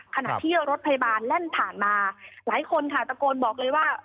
ขณะที่รถพยาบาลแล่นผ่านมาหลายคนค่ะตะโกนบอกเลยว่า